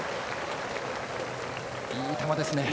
いい球ですね。